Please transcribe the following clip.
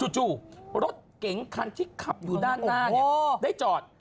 จู่รถเก๋งคันที่ขับอยู่ด้านหน้าได้จอด